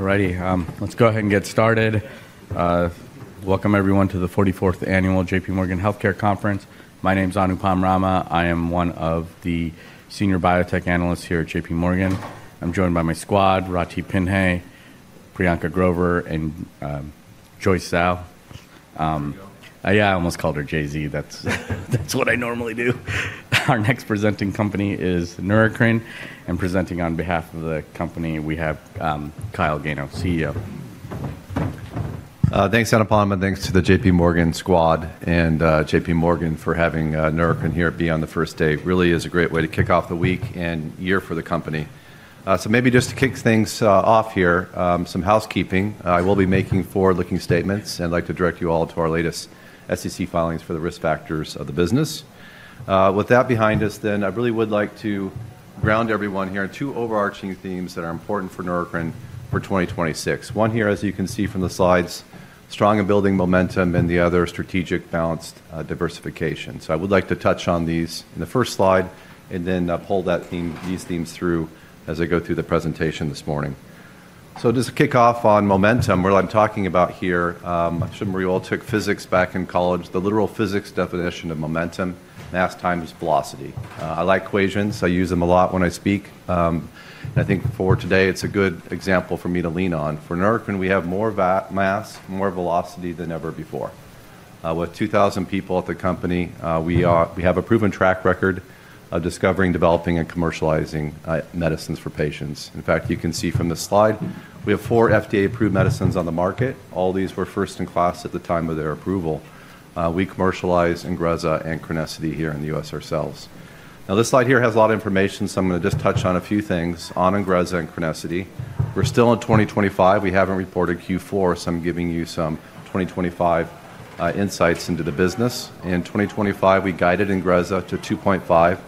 Alrighty, let's go ahead and get started. Welcome, everyone, to the 44th Annual J.P. Morgan Healthcare Conference. My name's Anupam Rama. I am one of the Senior Biotech Analysts here at J.P. Morgan. I'm joined by my squad, Ratih Phinney, Priyanka Grover, and Joyce Zhao. Yeah, I almost called her Jay-Z. That's what I normally do. Our next presenting company is Neurocrine, and presenting on behalf of the company, we have Kyle Gano, CEO. Thanks, Anupam, and thanks to the J.P. Morgan squad and J.P. Morgan for having Neurocrine here at the end of the first day. Really is a great way to kick off the week and year for the company. So maybe just to kick things off here, some housekeeping. I will be making forward-looking statements and like to direct you all to our latest SEC filings for the risk factors of the business. With that behind us, then I really would like to ground everyone here in two overarching themes that are important for Neurocrine for 2026. One here, as you can see from the slides, strong and building momentum, and the other, strategic balanced diversification. So I would like to touch on these in the first slide and then pull these themes through as I go through the presentation this morning. Just to kick off on momentum, what I'm talking about here, I'm sure you all took physics back in college, the literal physics definition of momentum, mass times velocity. I like equations. I use them a lot when I speak. I think for today it's a good example for me to lean on. For Neurocrine, we have more mass, more velocity than ever before. With 2,000 people at the company, we have a proven track record of discovering, developing, and commercializing medicines for patients. In fact, you can see from the slide, we have four FDA-approved medicines on the market. All these were first in class at the time of their approval. We commercialize INGREZZA and CRENESSITY here in the U.S. ourselves. Now, this slide here has a lot of information, so I'm going to just touch on a few things on INGREZZA and CRENESSITY. We're still in 2025. We haven't reported Q4, so I'm giving you some 2025 insights into the business. In 2025, we guided INGREZZA to $2.5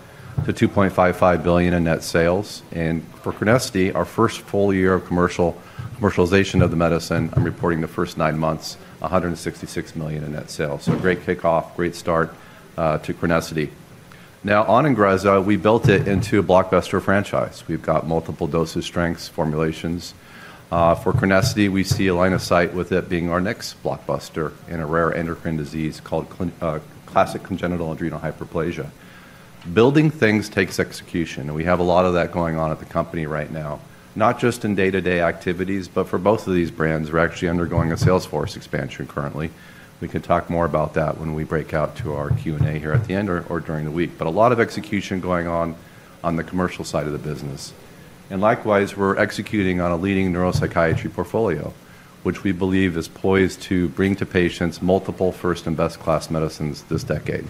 billion-$2.55 billion in net sales. For CRENESSITY, our first full year of commercialization of the medicine, I'm reporting the first nine months, $166 million in net sales. A great kickoff, great start to CRENESSITY. Now, on INGREZZA, we built it into a blockbuster franchise. We've got multiple dosage strengths formulations. For CRENESSITY, we see a line of sight with it being our next blockbuster in a rare endocrine disease called classic congenital adrenal hyperplasia. Building things takes execution, and we have a lot of that going on at the company right now, not just in day-to-day activities, but for both of these brands, we're actually undergoing a sales force expansion currently. We can talk more about that when we break out to our Q&A here at the end or during the week, but a lot of execution going on on the commercial side of the business, and likewise, we're executing on a leading neuropsychiatry portfolio, which we believe is poised to bring to patients multiple first and best class medicines this decade,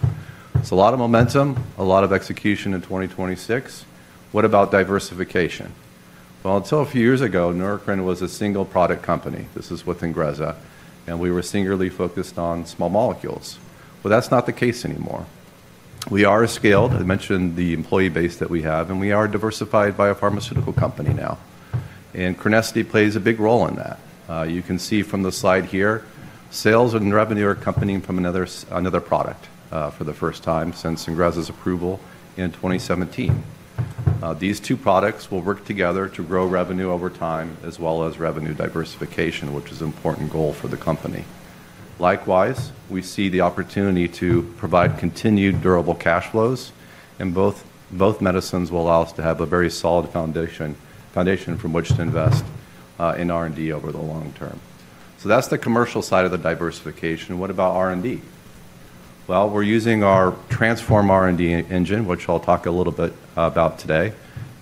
so a lot of momentum, a lot of execution in 2026. What about diversification? Until a few years ago, Neurocrine was a single product company. This is with INGREZZA, and we were singularly focused on small molecules. That's not the case anymore. We are scaled. I mentioned the employee base that we have, and we are a diversified biopharmaceutical company now. CRENESSITY plays a big role in that. You can see from the slide here, sales and revenue are coming from another product for the first time since INGREZZA's approval in 2017. These two products will work together to grow revenue over time as well as revenue diversification, which is an important goal for the company. Likewise, we see the opportunity to provide continued durable cash flows, and both medicines will allow us to have a very solid foundation from which to invest in R&D over the long term. So that's the commercial side of the diversification. What about R&D? Well, we're using our Transform R&D Engine, which I'll talk a little bit about today.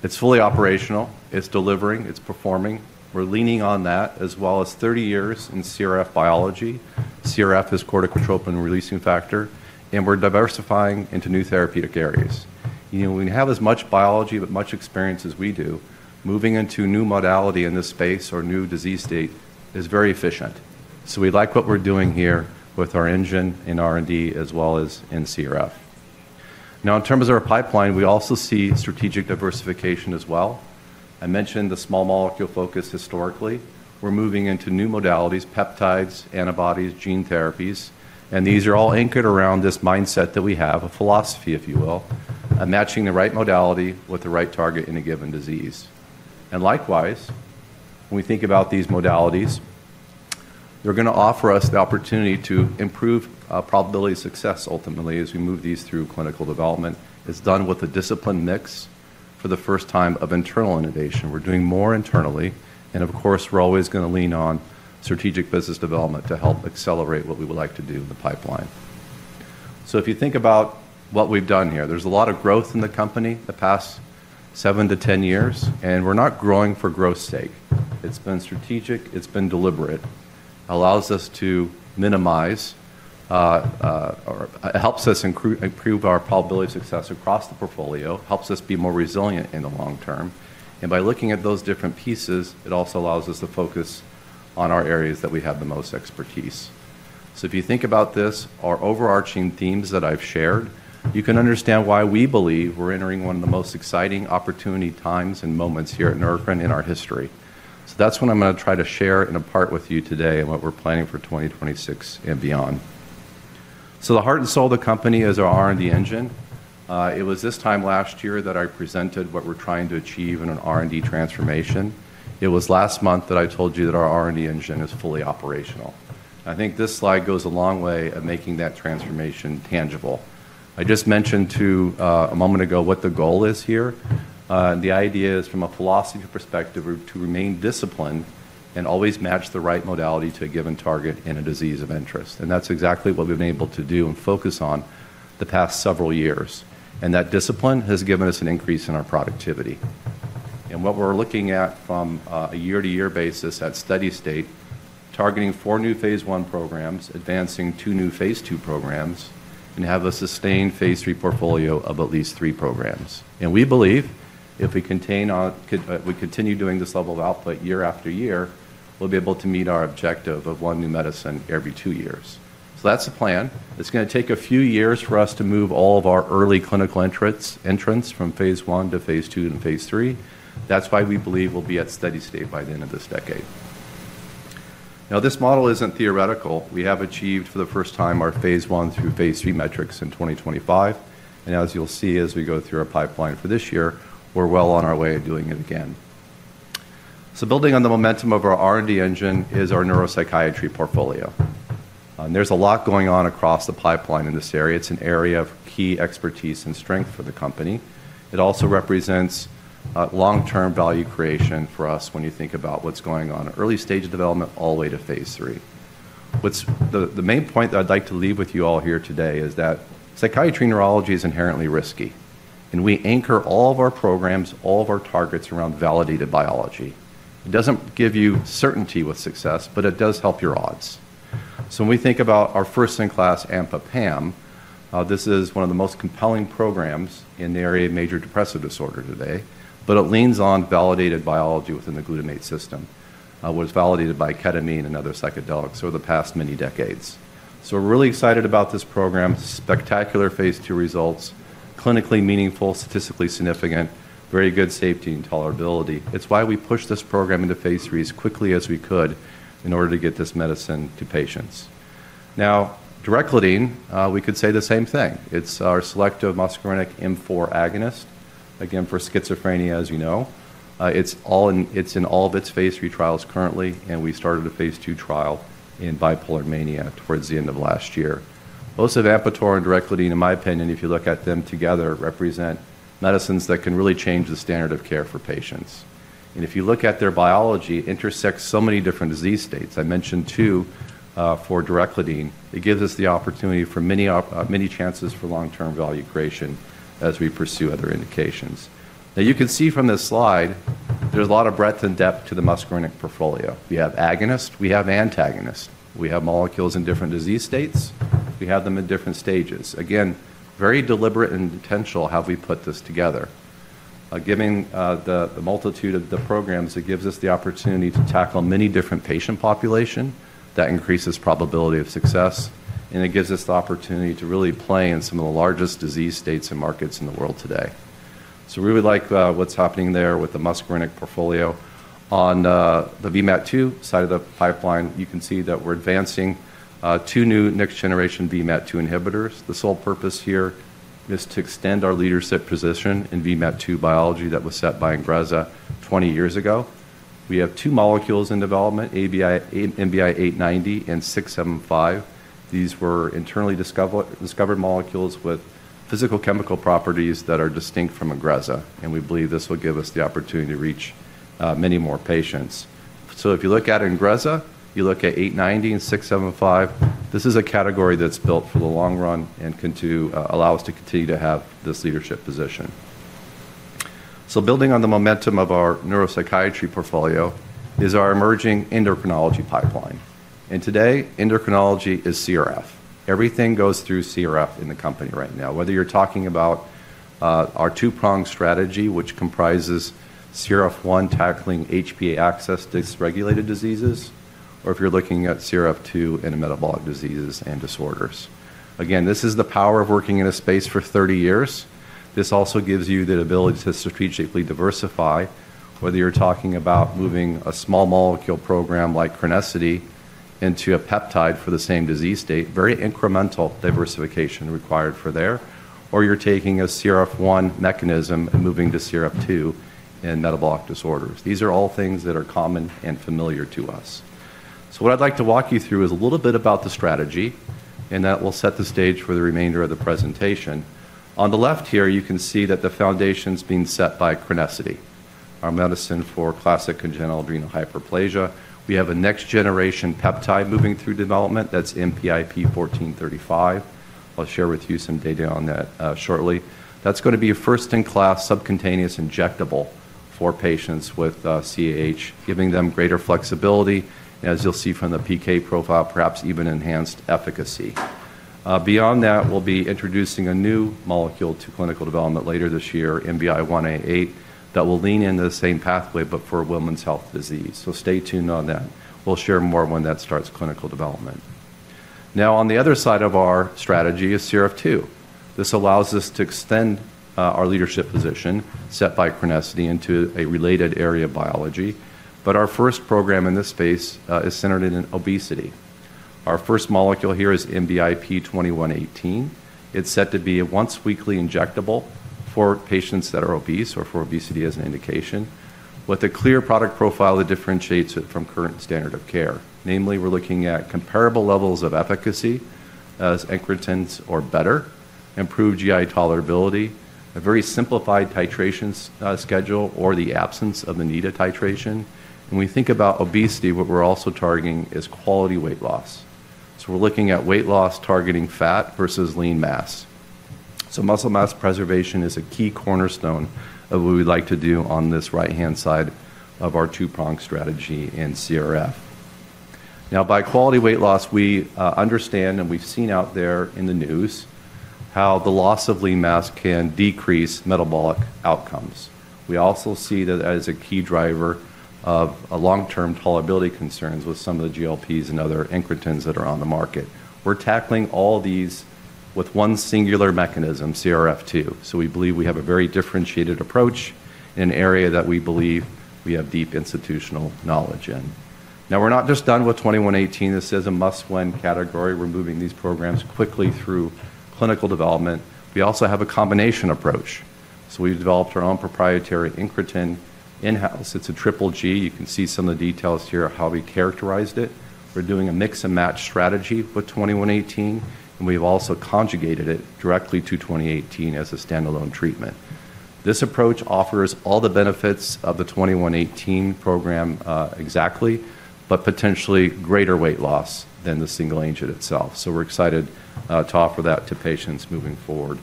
It's fully operational. It's delivering. It's performing. We're leaning on that as well as 30 years in CRF biology. CRF is corticotropin-releasing factor, and we're diversifying into new therapeutic areas. When we have as much biology but much experience as we do, moving into new modality in this space or new disease state is very efficient. So we like what we're doing here with our engine in R&D as well as in CRF. Now, in terms of our pipeline, we also see strategic diversification as well. I mentioned the small molecule focus historically. We're moving into new modalities, peptides, antibodies, gene therapies, and these are all anchored around this mindset that we have, a philosophy, if you will, of matching the right modality with the right target in a given disease. And likewise, when we think about these modalities, they're going to offer us the opportunity to improve probability of success ultimately as we move these through clinical development. It's done with a discipline mix for the first time of internal innovation. We're doing more internally, and of course, we're always going to lean on strategic business development to help accelerate what we would like to do in the pipeline. So if you think about what we've done here, there's a lot of growth in the company the past seven to 10 years, and we're not growing for growth's sake. It's been strategic. It's been deliberate. It allows us to minimize, helps us improve our probability of success across the portfolio, helps us be more resilient in the long term. And by looking at those different pieces, it also allows us to focus on our areas that we have the most expertise. So if you think about this, our overarching themes that I've shared, you can understand why we believe we're entering one of the most exciting opportunity times and moments here at Neurocrine in our history. So that's what I'm going to try to share and impart with you today and what we're planning for 2026 and beyond. So the heart and soul of the company is our R&D Engine. It was this time last year that I presented what we're trying to achieve in an R&D transformation. It was last month that I told you that our R&D Engine is fully operational. I think this slide goes a long way at making that transformation tangible. I just mentioned a moment ago what the goal is here. The idea is from a philosophy perspective to remain disciplined and always match the right modality to a given target in a disease of interest. And that's exactly what we've been able to do and focus on the past several years. And that discipline has given us an increase in our productivity. What we're looking at from a year-to-year basis at steady state, targeting four new phase I programs, advancing two new phase II programs, and have a sustained phase III portfolio of at least three programs. We believe if we continue doing this level of output year after year, we'll be able to meet our objective of one new medicine every two years. That's the plan. It's going to take a few years for us to move all of our early clinical entrants from phase I to phase II and phase III. That's why we believe we'll be at steady state by the end of this decade. Now, this model isn't theoretical. We have achieved for the first time our phase I through phase III metrics in 2025. As you'll see as we go through our pipeline for this year, we're well on our way of doing it again. Building on the momentum of our R&D Engine is our neuropsychiatry portfolio. There's a lot going on across the pipeline in this area. It's an area of key expertise and strength for the company. It also represents long-term value creation for us when you think about what's going on in early stage development all the way to phase III. The main point that I'd like to leave with you all here today is that psychiatry neurology is inherently risky. We anchor all of our programs, all of our targets around validated biology. It doesn't give you certainty with success, but it does help your odds. When we think about our first-in-class AMPA-PAM, this is one of the most compelling programs in the area of major depressive disorder today, but it leans on validated biology within the glutamate system, which was validated by ketamine and other psychedelics over the past many decades. We're really excited about this program, spectacular phase II results, clinically meaningful, statistically significant, very good safety and tolerability. It's why we pushed this program into phase III as quickly as we could in order to get this medicine to patients. Now, Derecladine, we could say the same thing. It's our selective muscarinic M4 agonist, again, for schizophrenia, as you know. It's in all of its phase III trials currently, and we started a phase II trial in bipolar mania towards the end of last year. Both Osovampator and Derecladine, in my opinion, if you look at them together, represent medicines that can really change the standard of care for patients. And if you look at their biology, it intersects so many different disease states. I mentioned two for Derecladine. It gives us the opportunity for many chances for long-term value creation as we pursue other indications. Now, you can see from this slide, there's a lot of breadth and depth to the muscarinic portfolio. We have agonist. We have antagonist. We have molecules in different disease states. We have them in different stages. Again, very deliberate and intentional how we put this together. Given the multitude of the programs, it gives us the opportunity to tackle many different patient populations. That increases the probability of success, and it gives us the opportunity to really play in some of the largest disease states and markets in the world today. So we would like what's happening there with the muscarinic portfolio. On the VMAT2 side of the pipeline, you can see that we're advancing two new next-generation VMAT2 inhibitors. The sole purpose here is to extend our leadership position in VMAT2 biology that was set by INGREZZA 20 years ago. We have two molecules in development, NBI-890 and NBI-675. These were internally discovered molecules with physicochemical properties that are distinct from INGREZZA. And we believe this will give us the opportunity to reach many more patients. So if you look at INGREZZA, you look at NBI-890 and NBI-675, this is a category that's built for the long run and can allow us to continue to have this leadership position. Building on the momentum of our neuropsychiatry portfolio is our emerging endocrinology pipeline. And today, endocrinology is CRF. Everything goes through CRF in the company right now, whether you're talking about our two-pronged strategy, which comprises CRF1 tackling HPA axis to dysregulated diseases, or if you're looking at CRF2 in metabolic diseases and disorders. Again, this is the power of working in a space for 30 years. This also gives you the ability to strategically diversify, whether you're talking about moving a small molecule program like CRENESSITY into a peptide for the same disease state, very incremental diversification required for there, or you're taking a CRF1 mechanism and moving to CRF2 in metabolic disorders. These are all things that are common and familiar to us. What I'd like to walk you through is a little bit about the strategy, and that will set the stage for the remainder of the presentation. On the left here, you can see that the foundation is being set by CRENESSITY, our medicine for classic congenital adrenal hyperplasia. We have a next-generation peptide moving through development. That's NBI-P-1435. I'll share with you some data on that shortly. That's going to be a first-in-class subcutaneous injectable for patients with CAH, giving them greater flexibility, as you'll see from the PK profile, perhaps even enhanced efficacy. Beyond that, we'll be introducing a new molecule to clinical development later this year, NBI-1A8, that will lean into the same pathway, but for a women's health disease. So stay tuned on that. We'll share more when that starts clinical development. Now, on the other side of our strategy is CRF2. This allows us to extend our leadership position set by CRENESSITY into a related area of biology. But our first program in this space is centered in obesity. Our first molecule here is NBI-P-2118. It's set to be a once-weekly injectable for patients that are obese or for obesity as an indication, with a clear product profile that differentiates it from current standard of care. Namely, we're looking at comparable levels of efficacy as incretins or better, improved GI tolerability, a very simplified titration schedule, or the absence of the need of titration. When we think about obesity, what we're also targeting is quality weight loss. So we're looking at weight loss targeting fat versus lean mass. So muscle mass preservation is a key cornerstone of what we'd like to do on this right-hand side of our two-pronged strategy in CRF. Now, by quality weight loss, we understand, and we've seen out there in the news how the loss of lean mass can decrease metabolic outcomes. We also see that as a key driver of long-term tolerability concerns with some of the GLPs and other incretins that are on the market. We're tackling all these with one singular mechanism, CRF2. So we believe we have a very differentiated approach in an area that we believe we have deep institutional knowledge in. Now, we're not just done with 2118. This is a must-win category. We're moving these programs quickly through clinical development. We also have a combination approach. So we've developed our own proprietary incretin in-house. It's a triple G. You can see some of the details here of how we characterized it. We're doing a mix-and-match strategy with 2118, and we've also conjugated it directly to 2018 as a standalone treatment. This approach offers all the benefits of the 2118 program exactly, but potentially greater weight loss than the single agent itself. So we're excited to offer that to patients moving forward.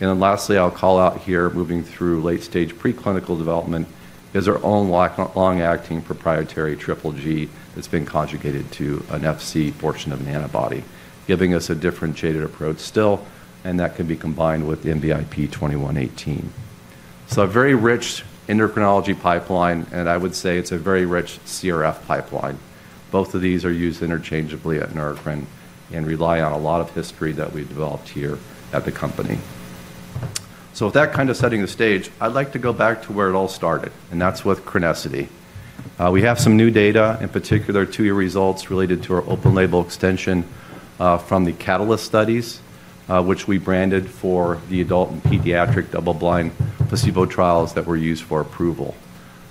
And then lastly, I'll call out here, moving through late-stage preclinical development, is our own long-acting proprietary triple G that's been conjugated to an Fc portion of an antibody, giving us a differentiated approach still, and that can be combined with NBI-P-2118. So a very rich endocrinology pipeline, and I would say it's a very rich CRF pipeline. Both of these are used interchangeably at Neurocrine and rely on a lot of history that we've developed here at the company. So with that kind of setting the stage, I'd like to go back to where it all started, and that's with CRENESSITY. We have some new data, in particular two-year results related to our open-label extension from the CAHtalyst studies, which we branded for the adult and pediatric double-blind placebo trials that were used for approval.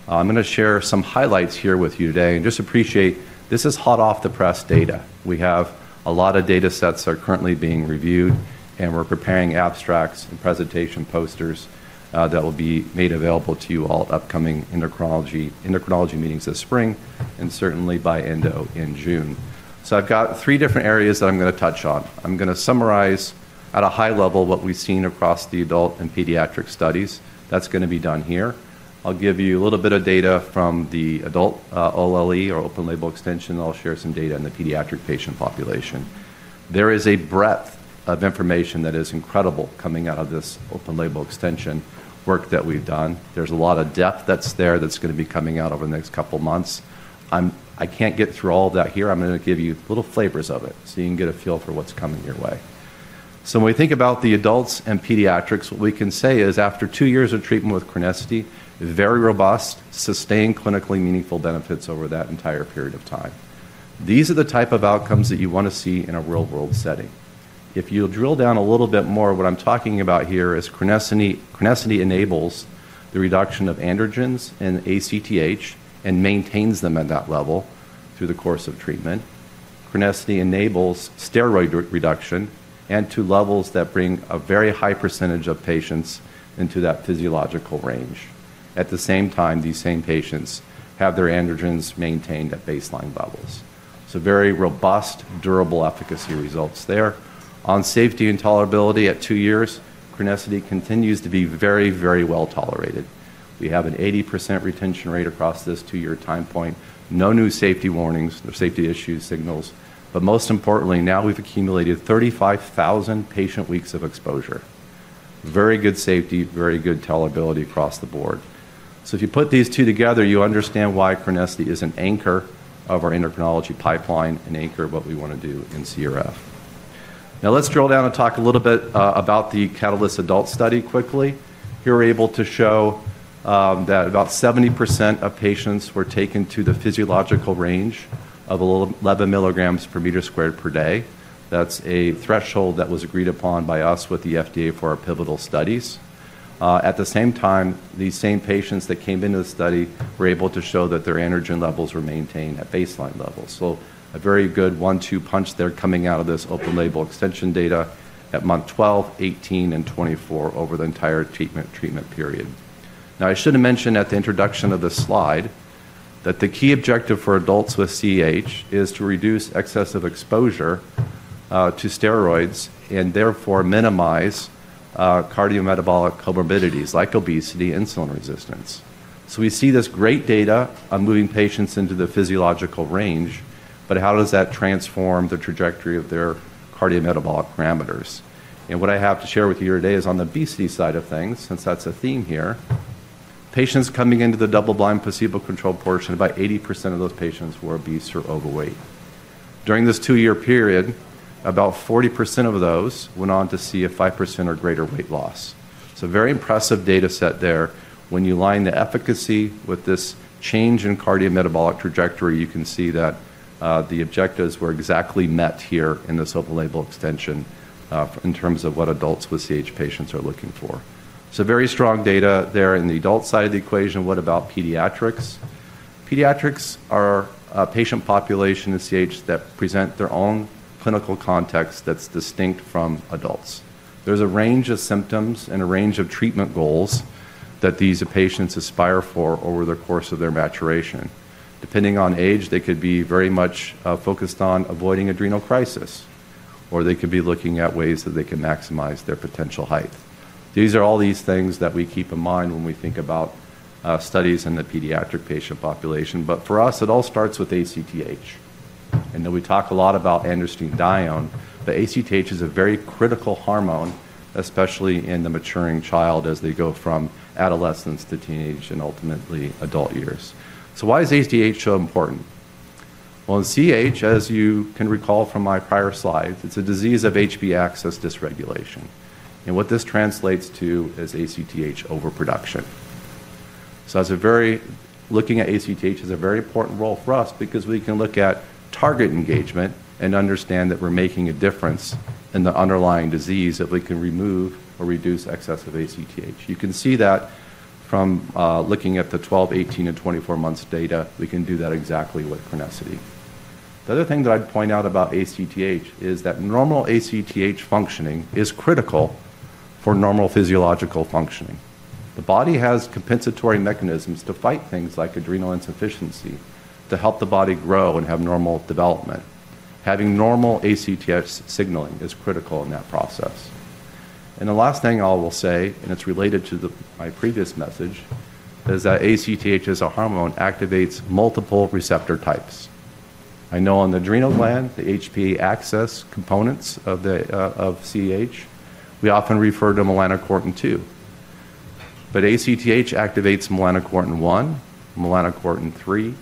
I'm going to share some highlights here with you today. Just appreciate this is hot-off-the-press data. We have a lot of data sets that are currently being reviewed, and we're preparing abstracts and presentation posters that will be made available to you all at upcoming endocrinology meetings this spring and certainly by endo in June. So I've got three different areas that I'm going to touch on. I'm going to summarize at a high level what we've seen across the adult and pediatric studies. That's going to be done here. I'll give you a little bit of data from the adult OLE or open-label extension. I'll share some data in the pediatric patient population. There is a breadth of information that is incredible coming out of this open-label extension work that we've done. There's a lot of depth that's there that's going to be coming out over the next couple of months. I can't get through all of that here. I'm going to give you little flavors of it so you can get a feel for what's coming your way. So when we think about the adults and pediatrics, what we can say is after two years of treatment with CRENESSITY, very robust, sustained clinically meaningful benefits over that entire period of time. These are the type of outcomes that you want to see in a real-world setting. If you drill down a little bit more, what I'm talking about here is CRENESSITY enables the reduction of androgens and ACTH and maintains them at that level through the course of treatment. CRENESSITY enables steroid reduction and to levels that bring a very high percentage of patients into that physiological range. At the same time, these same patients have their androgens maintained at baseline levels. So very robust, durable efficacy results there. On safety and tolerability at two years, CRENESSITY continues to be very, very well tolerated. We have an 80% retention rate across this two-year time point. No new safety warnings or safety issue signals. But most importantly, now we've accumulated 35,000 patient weeks of exposure. Very good safety, very good tolerability across the board. So if you put these two together, you understand why CRENESSITY is an anchor of our endocrinology pipeline and anchor of what we want to do in CRF. Now, let's drill down and talk a little bit about the CAH adult study quickly. Here we're able to show that about 70% of patients were taken to the physiological range of 11 mg/m squared per day. That's a threshold that was agreed upon by us with the FDA for our pivotal studies. At the same time, these same patients that came into the study were able to show that their androgen levels were maintained at baseline levels. So a very good one-two punch there coming out of this open-label extension data at month 12, 18, and 24 over the entire treatment period. Now, I should have mentioned at the introduction of this slide that the key objective for adults with CAH is to reduce excessive exposure to steroids and therefore minimize cardiometabolic comorbidities like obesity and insulin resistance. So we see this great data on moving patients into the physiological range, but how does that transform the trajectory of their cardiometabolic parameters? And what I have to share with you here today is on the obesity side of things, since that's a theme here. Patients coming into the double-blind placebo-controlled portion, about 80% of those patients were obese or overweight. During this two-year period, about 40% of those went on to see a 5% or greater weight loss. It's a very impressive data set there. When you line the efficacy with this change in cardiometabolic trajectory, you can see that the objectives were exactly met here in this open-label extension in terms of what adults with CAH patients are looking for. So very strong data there in the adult side of the equation. What about pediatrics? Pediatrics are a patient population in CAH that presents their own clinical context that's distinct from adults. There's a range of symptoms and a range of treatment goals that these patients aspire for over the course of their maturation. Depending on age, they could be very much focused on avoiding adrenal crisis, or they could be looking at ways that they can maximize their potential height. These are all these things that we keep in mind when we think about studies in the pediatric patient population. But for us, it all starts with ACTH. And then we talk a lot about androstenedione. The ACTH is a very critical hormone, especially in the maturing child as they go from adolescence to teenage and ultimately adult years. So why is ACTH so important? Well, in CAH, as you can recall from my prior slides, it's a disease of HPA axis dysregulation. And what this translates to is ACTH overproduction. Looking at ACTH has a very important role for us because we can look at target engagement and understand that we're making a difference in the underlying disease if we can remove or reduce excess of ACTH. You can see that from looking at the 12, 18, and 24 months data. We can do that exactly with CRENESSITY. The other thing that I'd point out about ACTH is that normal ACTH functioning is critical for normal physiological functioning. The body has compensatory mechanisms to fight things like adrenal insufficiency to help the body grow and have normal development. Having normal ACTH signaling is critical in that process. The last thing I will say, and it's related to my previous message, is that ACTH as a hormone activates multiple receptor types. I know on the adrenal gland, the HPA axis components of CAH, we often refer to melanocortin-2. ACTH activates melanocortin-1, melanocortin-3,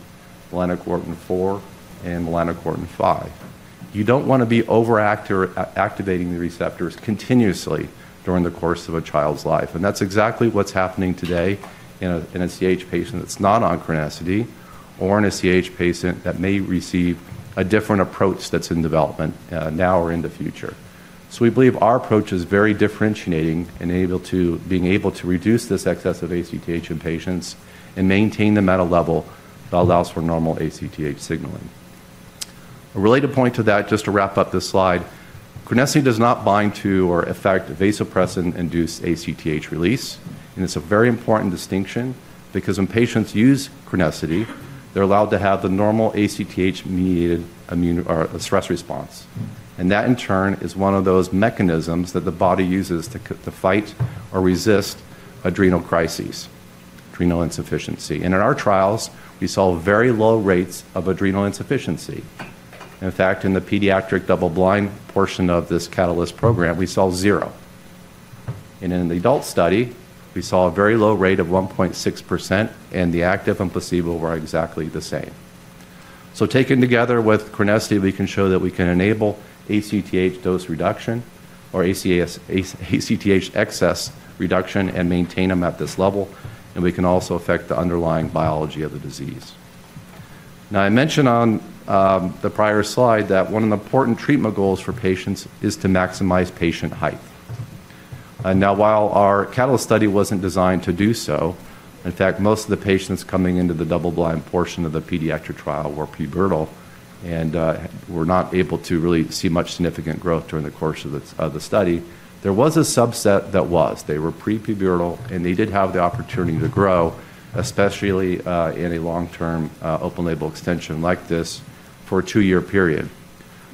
melanocortin-4, and melanocortin-5. You don't want to be overactivating the receptors continuously during the course of a child's life. That's exactly what's happening today in a CAH patient that's not on CRENESSITY or in a CAH patient that may receive a different approach that's in development now or in the future. We believe our approach is very differentiating and being able to reduce this excess of ACTH in patients and maintain them at a level that allows for normal ACTH signaling. A related point to that, just to wrap up this slide, CRENESSITY does not bind to or affect vasopressin-induced ACTH release. It's a very important distinction because when patients use CRENESSITY, they're allowed to have the normal ACTH-mediated stress response. That, in turn, is one of those mechanisms that the body uses to fight or resist adrenal crises, adrenal insufficiency. In our trials, we saw very low rates of adrenal insufficiency. In fact, in the pediatric double-blind portion of this catalyst program, we saw zero. In the adult study, we saw a very low rate of 1.6%, and the active and placebo were exactly the same. Taken together with CRENESSITY, we can show that we can enable ACTH dose reduction or ACTH excess reduction and maintain them at this level. We can also affect the underlying biology of the disease. Now, I mentioned on the prior slide that one of the important treatment goals for patients is to maximize patient height. Now, while our catalyst study wasn't designed to do so, in fact, most of the patients coming into the double-blind portion of the pediatric trial were pubertal and were not able to really see much significant growth during the course of the study. There was a subset that was. They were pre-pubertal, and they did have the opportunity to grow, especially in a long-term open-label extension like this for a two-year period.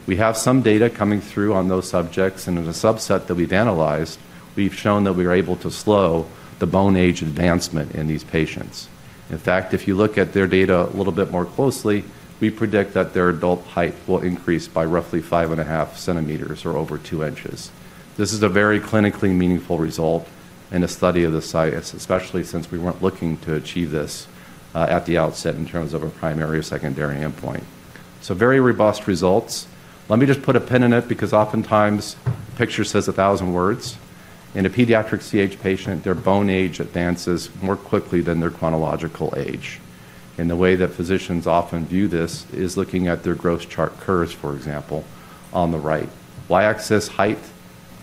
We have some data coming through on those subjects, and in the subset that we've analyzed, we've shown that we were able to slow the bone age advancement in these patients. In fact, if you look at their data a little bit more closely, we predict that their adult height will increase by roughly five and a half centimeters or over two inches. This is a very clinically meaningful result in a study of this size, especially since we weren't looking to achieve this at the outset in terms of a primary or secondary endpoint. So very robust results. Let me just put a pin in it because oftentimes a picture says a thousand words. In a pediatric CAH patient, their bone age advances more quickly than their chronological age, and the way that physicians often view this is looking at their growth chart curves, for example, on the right. Y-axis height,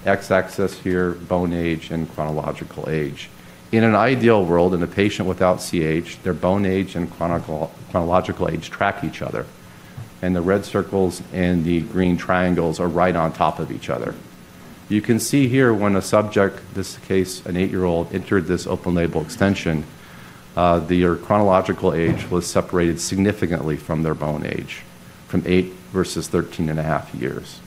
X-axis here, bone age and chronological age. In an ideal world, in a patient without CAH, their bone age and chronological age track each other, and the red circles and the green triangles are right on top of each other. You can see here when a subject, in this case, an eight-year-old, entered this open-label extension, their chronological age was separated significantly from their bone age from eight versus 13 and a half years.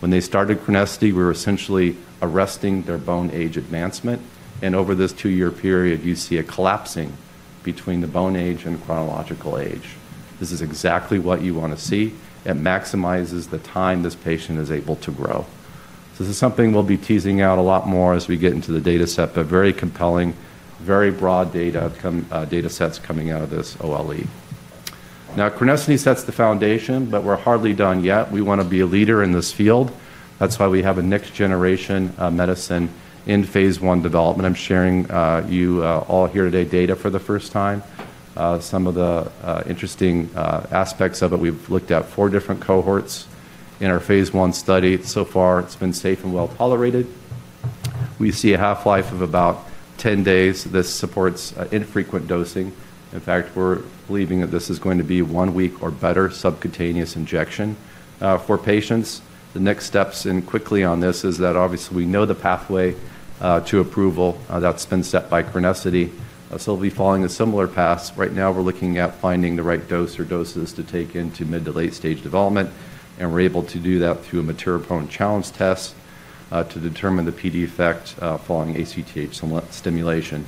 When they started CRENESSITY, we were essentially arresting their bone age advancement, and over this two-year period, you see a collapsing between the bone age and chronological age. This is exactly what you want to see. It maximizes the time this patient is able to grow. So this is something we'll be teasing out a lot more as we get into the data set, but very compelling, very broad data sets coming out of this OLE. Now, CRENESSITY sets the foundation, but we're hardly done yet. We want to be a leader in this field. That's why we have a next generation of medicine in phase I development. I'm sharing you all here today data for the first time. Some of the interesting aspects of it, we've looked at four different cohorts in our phase I study. So far, it's been safe and well tolerated. We see a half-life of about 10 days. This supports infrequent dosing. In fact, we're believing that this is going to be one week or better subcutaneous injection for patients. The next steps and quickly on this is that obviously we know the pathway to approval that's been set by CRENESSITY. We'll be following a similar path. Right now, we're looking at finding the right dose or doses to take into mid- to late-stage development, and we're able to do that through a mature bone challenge test to determine the PD effect following ACTH stimulation.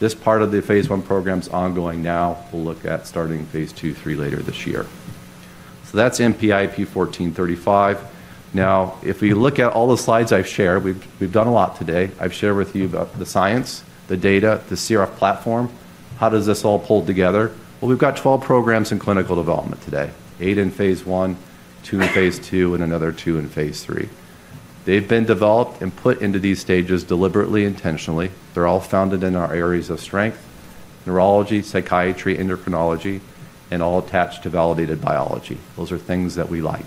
This part of the phase I program is ongoing now. We'll look at starting phase II, III later this year, so that's MPI P1435. Now, if we look at all the slides I've shared, we've done a lot today. I've shared with you about the science, the data, the CRF platform. How does this all pull together? Well, we've got 12 programs in clinical development today. Eight in phase I, two in phase II, and another two in phase III. They've been developed and put into these stages deliberately, intentionally. They're all founded in our areas of strength: neurology, psychiatry, endocrinology, and all attached to validated biology. Those are things that we like.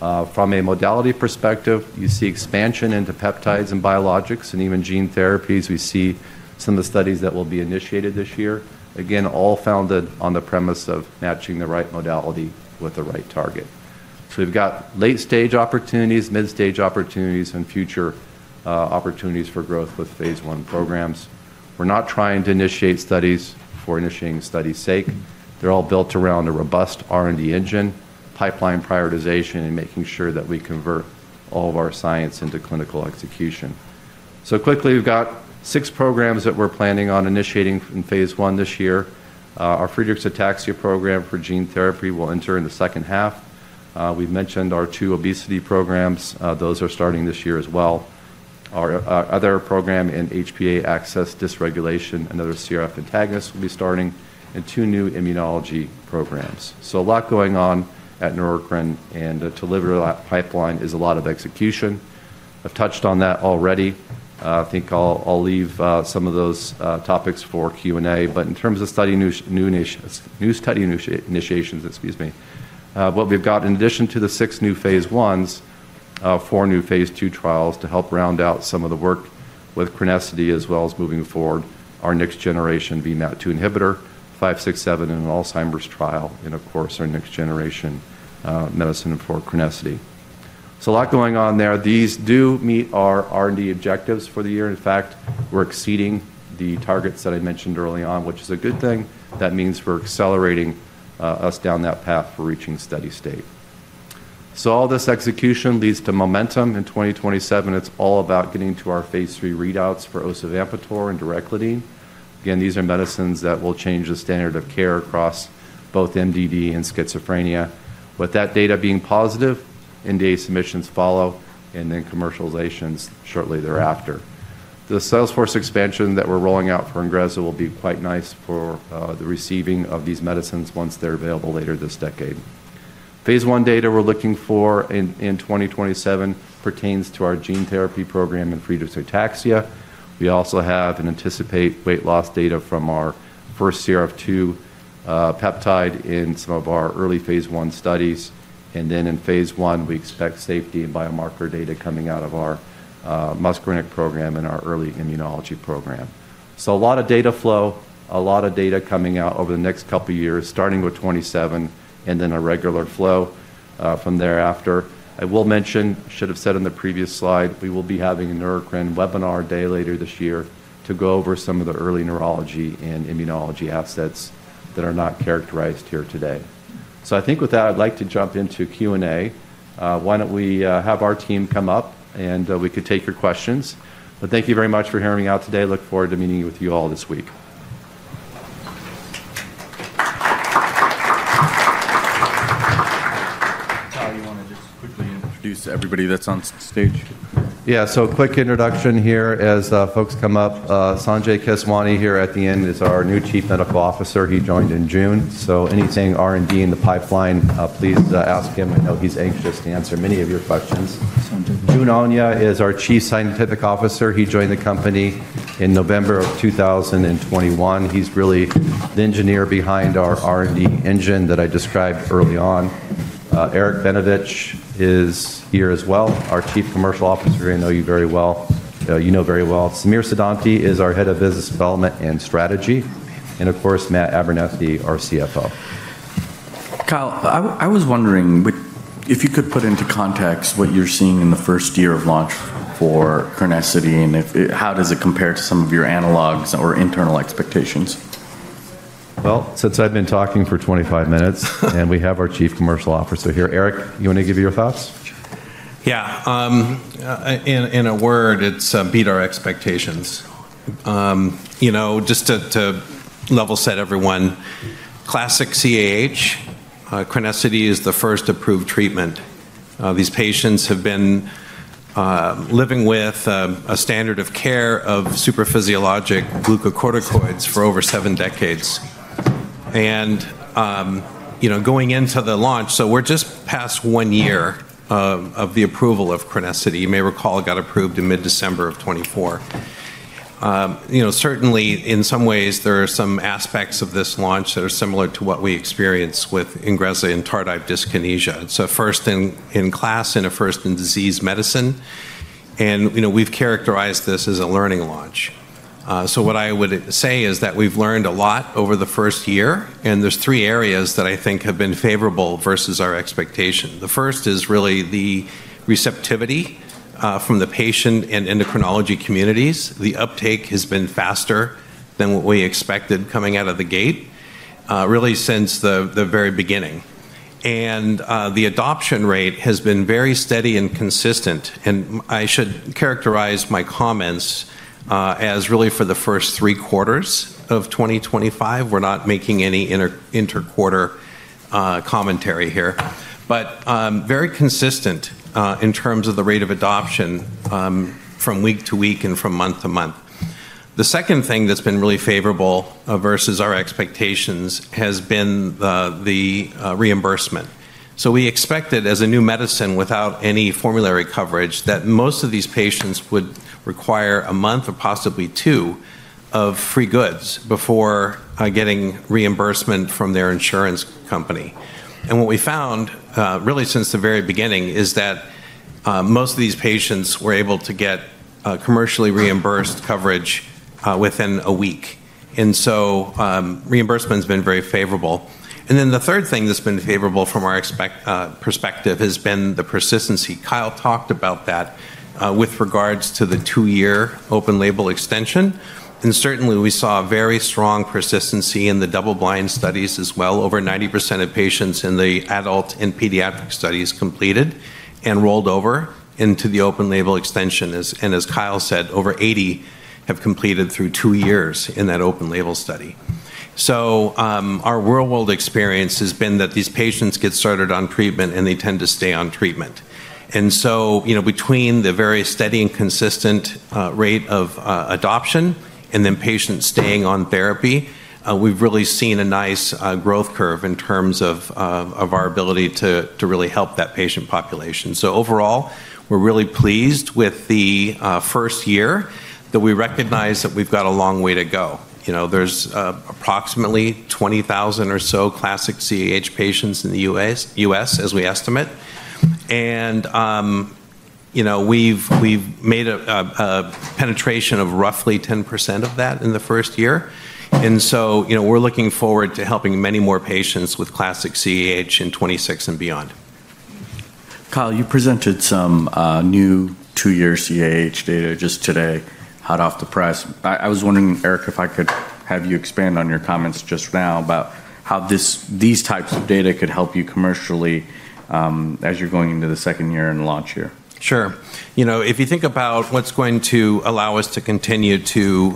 From a modality perspective, you see expansion into peptides and biologics and even gene therapies. We see some of the studies that will be initiated this year. Again, all founded on the premise of matching the right modality with the right target. So we've got late-stage opportunities, mid-stage opportunities, and future opportunities for growth with phase I programs. We're not trying to initiate studies for initiating studies' sake. They're all built around a robust R&D engine, pipeline prioritization, and making sure that we convert all of our science into clinical execution. So quickly, we've got six programs that we're planning on initiating in phase I this year. Our Friedreich's ataxia program for gene therapy will enter in the second half. We've mentioned our two obesity programs. Those are starting this year as well. Our other program in HPA axis dysregulation and other CRF antagonists will be starting, and two new immunology programs, so a lot going on at Neurocrine, and to deliver that pipeline is a lot of execution. I've touched on that already. I think I'll leave some of those topics for Q&A. In terms of new study initiations, excuse me, what we've got, in addition to the six new phase Is, our new phase II trials to help round out some of the work with CRENESSITY as well as moving forward our next generation VMAT2 inhibitor, 567, and an Alzheimer's trial, and of course, our next generation medicine for CRENESSITY. A lot going on there. These do meet our R&D objectives for the year. In fact, we're exceeding the targets that I mentioned early on, which is a good thing. That means we're accelerating us down that path for reaching steady state. So all this execution leads to momentum in 2027. It's all about getting to our phase III readouts for Osovampator and Derecladine. Again, these are medicines that will change the standard of care across both MDD and schizophrenia. With that data being positive, NDA submissions follow, and then commercializations shortly thereafter. The sales force expansion that we're rolling out for INGREZZA will be quite nice for the receiving of these medicines once they're available later this decade. phase I data we're looking for in 2027 pertains to our gene therapy program and Friedreich's ataxia. We also have and anticipate weight loss data from our first CRF2 peptide in some of our early phase I studies. And then in phase I, we expect safety and biomarker data coming out of our muscarinic program and our early immunology program. So a lot of data flow, a lot of data coming out over the next couple of years, starting with 2027 and then a regular flow from thereafter. I will mention. I should have said on the previous slide, we will be having a Neurocrine webinar day later this year to go over some of the early neurology and immunology assets that are not characterized here today. So I think with that, I'd like to jump into Q&A. Why don't we have our team come up and we could take your questions. But thank you very much for hearing me out today. Look forward to meeting with you all this week. Kyle, you want to just quickly introduce everybody that's on stage? Yeah. So quick introduction here as folks come up. Sanjay Keswani here at the end is our new Chief Medical Officer. He joined in June. So anything R&D in the pipeline, please ask him. I know he's anxious to answer many of your questions. Jude Onyia is our Chief Scientific Officer. He joined the company in November of 2021. He's really the engineer behind our R&D engine that I described early on. Eric Benevich is here as well, our Chief Commercial Officer. I know you very well. You know very well. Samir Siddhanti is our head of business development and strategy. And of course, Matt Abernethy, our CFO. Kyle, I was wondering if you could put into context what you're seeing in the first year of launch for CRENESSITY and how does it compare to some of your analogs or internal expectations? Since I've been talking for 25 minutes and we have our Chief Commercial Officer here, Eric, you want to give your thoughts? Yeah. In a word, it's beat our expectations. Just to level set everyone, classic CAH. CRENESSITY is the first approved treatment. These patients have been living with a standard of care of super physiologic glucocorticoids for over seven decades. Going into the launch, we're just past one year of the approval of CRENESSITY. You may recall it got approved in mid-December of 2024. Certainly, in some ways, there are some aspects of this launch that are similar to what we experience with INGREZZA and tardive dyskinesia. It's a first in class and a first in disease medicine. We've characterized this as a learning launch. What I would say is that we've learned a lot over the first year. There's three areas that I think have been favorable versus our expectation. The first is really the receptivity from the patient and endocrinology communities. The uptake has been faster than what we expected coming out of the gate, really since the very beginning. And the adoption rate has been very steady and consistent. And I should characterize my comments as really for the first three quarters of 2025. We're not making any interquarter commentary here, but very consistent in terms of the rate of adoption from week to week and from month to month. The second thing that's been really favorable versus our expectations has been the reimbursement. So we expected as a new medicine without any formulary coverage that most of these patients would require a month or possibly two of free goods before getting reimbursement from their insurance company. And what we found really since the very beginning is that most of these patients were able to get commercially reimbursed coverage within a week. And so reimbursement has been very favorable. Then the third thing that's been favorable from our perspective has been the persistence. Kyle talked about that with regards to the two-year open-label extension. Certainly, we saw very strong persistence in the double-blind studies as well. Over 90% of patients in the adult and pediatric studies completed and rolled over into the open-label extension. As Kyle said, over 80% have completed through two years in that open-label study. Our real-world experience has been that these patients get started on treatment and they tend to stay on treatment. Between the very steady and consistent rate of adoption and then patients staying on therapy, we've really seen a nice growth curve in terms of our ability to really help that patient population. Overall, we're really pleased with the first year that we recognize that we've got a long way to go. There's approximately 20,000 or so classic CAH patients in the U.S. as we estimate. And we've made a penetration of roughly 10% of that in the first year. And so we're looking forward to helping many more patients with classic CAH in 2026 and beyond. Kyle, you presented some new two-year CAH data just today, hot off the press. I was wondering, Eric, if I could have you expand on your comments just now about how these types of data could help you commercially as you're going into the second year and launch year. Sure. If you think about what's going to allow us to continue to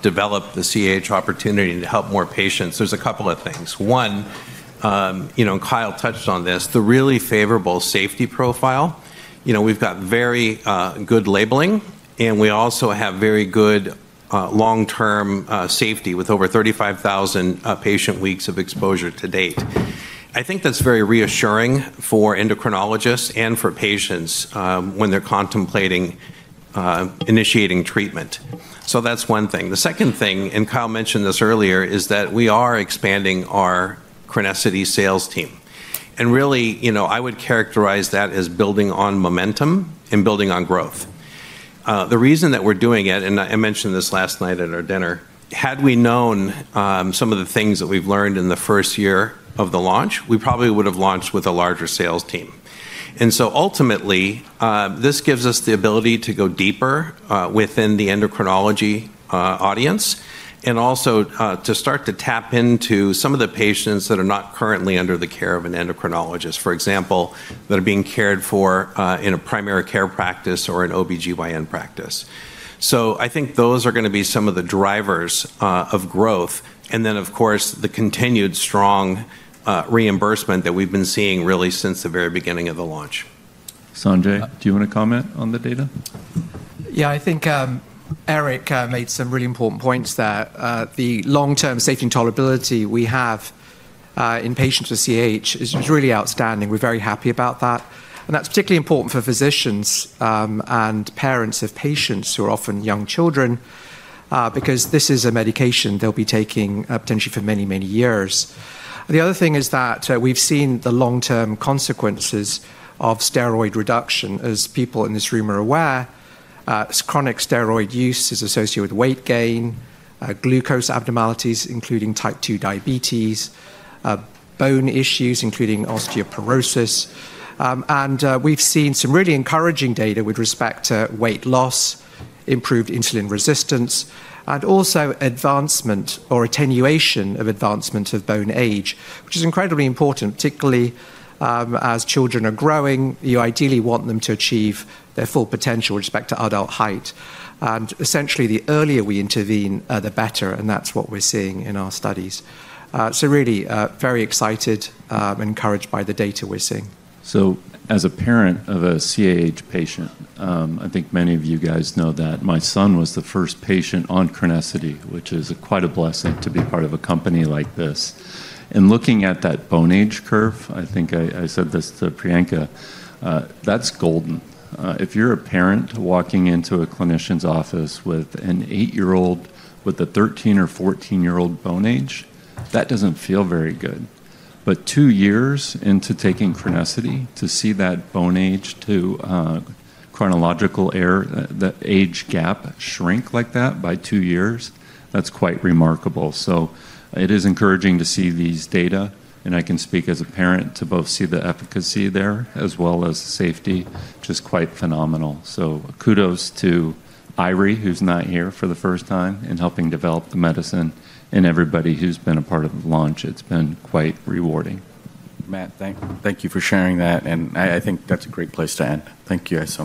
develop the CAH opportunity to help more patients, there's a couple of things. One, and Kyle touched on this, the really favorable safety profile. We've got very good labeling, and we also have very good long-term safety with over 35,000 patient weeks of exposure to date. I think that's very reassuring for endocrinologists and for patients when they're contemplating initiating treatment. So that's one thing. The second thing, and Kyle mentioned this earlier, is that we are expanding our CRENESSITY sales team. And really, I would characterize that as building on momentum and building on growth. The reason that we're doing it, and I mentioned this last night at our dinner, had we known some of the things that we've learned in the first year of the launch, we probably would have launched with a larger sales team. And so ultimately, this gives us the ability to go deeper within the endocrinology audience and also to start to tap into some of the patients that are not currently under the care of an endocrinologist, for example, that are being cared for in a primary care practice or an OB-GYN practice. So I think those are going to be some of the drivers of growth. And then, of course, the continued strong reimbursement that we've been seeing really since the very beginning of the launch. Sanjay, do you want to comment on the data? Yeah, I think Eric made some really important points there. The long-term safety and tolerability we have in patients with CAH is really outstanding. We're very happy about that, and that's particularly important for physicians and parents of patients who are often young children because this is a medication they'll be taking potentially for many, many years. The other thing is that we've seen the long-term consequences of steroid reduction, as people in this room are aware. Chronic steroid use is associated with weight gain, glucose abnormalities, including type 2 diabetes, bone issues, including osteoporosis, and we've seen some really encouraging data with respect to weight loss, improved insulin resistance, and also advancement or attenuation of advancement of bone age, which is incredibly important, particularly as children are growing. You ideally want them to achieve their full potential with respect to adult height. And essentially, the earlier we intervene, the better. And that's what we're seeing in our studies. So really very excited and encouraged by the data we're seeing. As a parent of a CAH patient, I think many of you guys know that my son was the first patient on CRENESSITY, which is quite a blessing to be part of a company like this. And looking at that bone age curve, I think I said this to Priyanka, that's golden. If you're a parent walking into a clinician's office with an eight-year-old with a 13- or 14-year-old bone age, that doesn't feel very good. But two years into taking CRENESSITY to see that bone age to chronological age, the age gap shrink like that by two years, that's quite remarkable. So it is encouraging to see these data. And I can speak as a parent to both see the efficacy there as well as the safety, just quite phenomenal. Kudos to Eiry, who's not here for the first time and helping develop the medicine, and everybody who's been a part of the launch. It's been quite rewarding. Matt, thank you for sharing that. And I think that's a great place to end. Thank you so much.